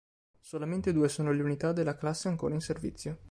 Solamente due sono le unità della classe ancora in servizio.